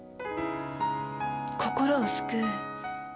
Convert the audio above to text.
心を救う。